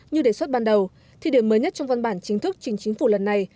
như đề xuất ban đầu thì điểm mới nhất trong văn bản chính thức chính chính phủ lần này